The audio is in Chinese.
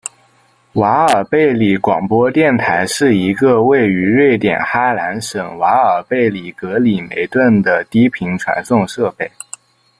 瓦尔贝里广播电台是一个位于瑞典哈兰省瓦尔贝里格里梅顿的低频传送设备。